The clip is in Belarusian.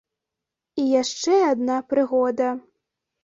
І яшчэ адна прыгода.